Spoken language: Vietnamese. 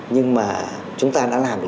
nhưng mà chúng ta đã làm được